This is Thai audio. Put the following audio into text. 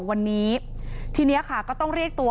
ปี๖๕วันเกิดปี๖๔ไปร่วมงานเช่นเดียวกัน